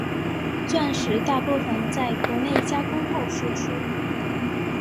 钻石大部份在国内加工后输出。